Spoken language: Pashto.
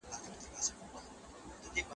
هڅه کول اړين دي.